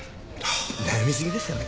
悩みすぎですかね？